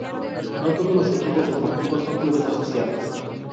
No todos los equipos deportivos son clubes asociados.